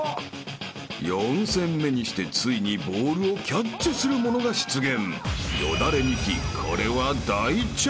［４戦目にしてついにボールをキャッチする者が出現］